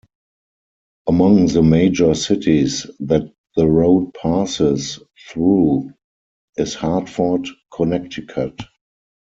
Among the major cities that the road passes through is Hartford, Connecticut.